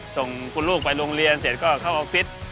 ส่งคุณลูกไปโรงเรียนเสร็จก็เข้าออฟฟิศ